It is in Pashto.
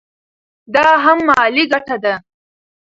دا هم مالي ګټه ده.